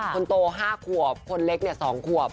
คนโต๕ขวบคนเล็ก๒ขวบ